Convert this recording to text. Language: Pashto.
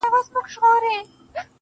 د گناهونو شاهدي به یې ویښتان ورکوي~